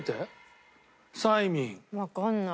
わかんない。